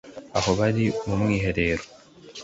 Aho bari mu mwiherero